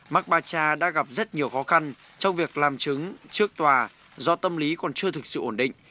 makbacha đã gặp rất nhiều khó khăn trong việc làm chứng trước tòa do tâm lý còn chưa thực sự ổn định